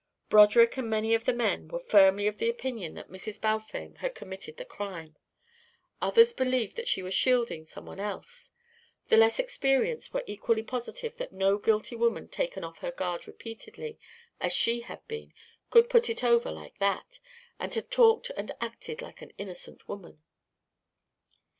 Broderick and many of the men were firmly of the opinion that Mrs. Balfame had committed the crime; others believed that she was shielding some one else; the less experienced were equally positive that no guilty woman taken off her guard repeatedly, as she had been, could "put it over" like that. She had "talked and acted like an innocent woman."